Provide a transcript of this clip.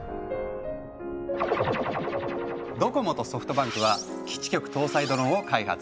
ドコモとソフトバンクは基地局搭載ドローンを開発。